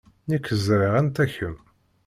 Nekk ẓriɣ anta kemm.